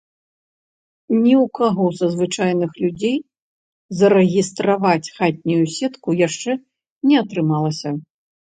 Ні ў каго са звычайных людзей зарэгістраваць хатнюю сетку яшчэ не атрымалася.